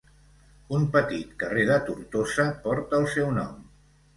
Un petit carrer de Tortosa porta el seu nom.